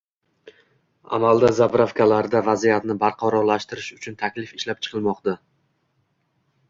Amalda “gaz zapravka”larda vaziyatni barqarorlashtirish uchun taklif ishlab chiqilmoqda.